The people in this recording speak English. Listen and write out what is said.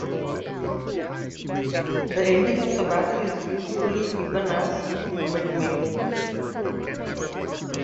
The ending of the battle is usually given as mid-May.